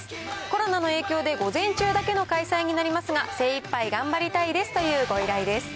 コロナの影響で午前中だけの開催になりますが、精いっぱい頑張りたいですというご依頼です。